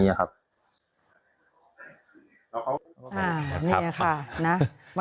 นี่แหละค่ะ